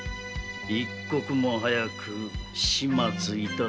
一刻も早く始末いたせ。